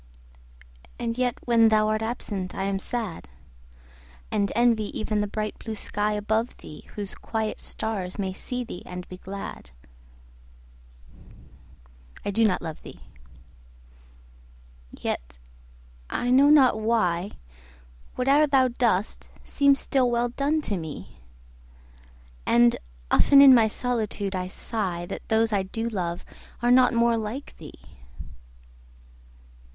And yet when thou art absent I am sad; And envy even the bright blue sky above thee, Whose quiet stars may see thee and be glad. I do not love thee!—yet, I know not why, 5 Whate'er thou dost seems still well done, to me: And often in my solitude I sigh That those I do love are not more like thee!